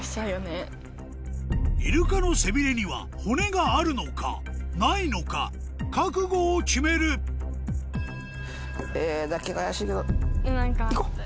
イルカの背びれには骨があるのかないのか覚悟を決めるＡだけが怪しいけど。